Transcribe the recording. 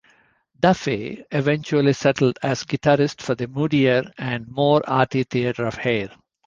Duffy eventually settled as guitarist for the moodier and more arty Theatre of Hate.